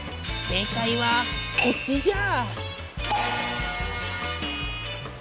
正解はこっちじゃ！